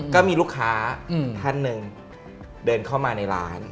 ก็มีลูกค้าท่านหนึ่งเดินเข้ามาในร้าน